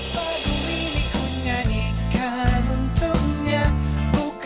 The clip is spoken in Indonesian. datorin oranganya nyiti maju pimbok